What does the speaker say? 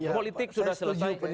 politik sudah selesai